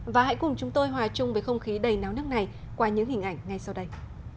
và hãy cùng chúng tôi hòa chung với không khí đầy náo nước này qua những hình ảnh ngay sau đây